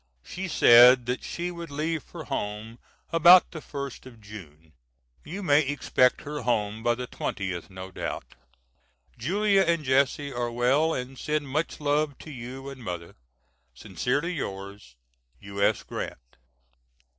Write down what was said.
She said that she would leave for home about the first of June. You may expect her home by the twentieth no doubt. Julia and Jesse are well and send much love to you and Mother. Sincerely yours, U.S. GRANT.